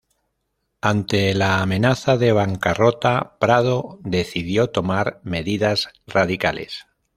Ante la amenaza de bancarrota, Prado decidió tomar medidas radicales.